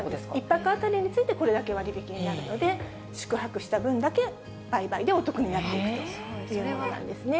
１泊当たりについて、これだけ割引になるので、宿泊した分だけ、倍々でお得になっていくというものなんですね。